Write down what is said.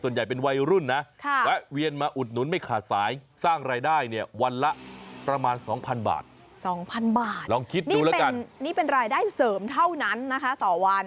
นี่เป็นรายได้เสริมเท่านั้นนะคะต่อวัน